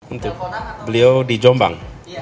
untuk beliau di jombang